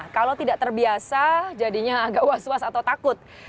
kalau tidak terbiasa jadinya agak was was atau takut